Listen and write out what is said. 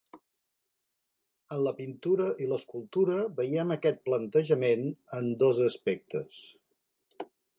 En la pintura i l’escultura veiem aquest plantejament en dos aspectes.